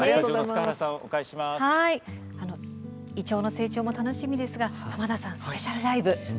イチョウの成長も楽しみですが濱田さん、スペシャルライブ。